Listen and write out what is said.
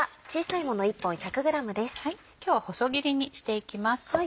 今日は細切りにしていきます。